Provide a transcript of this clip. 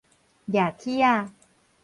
攑鐵仔